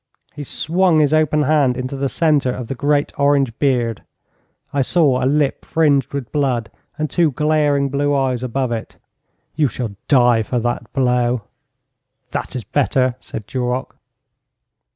He swung his open hand into the centre of the great orange beard. I saw a lip fringed with blood, and two glaring blue eyes above it. 'You shall die for that blow.' 'That is better,' said Duroc.